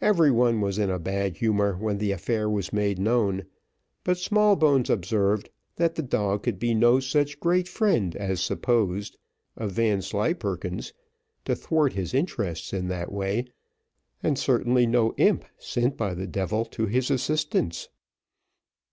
Every one was in a bad humour when the affair was made known; but Smallbones observed, "that the dog could be no such great friend, as supposed, of Vanslyperken's, to thwart his interests in that way; and certainly no imp sent by the devil to his assistance."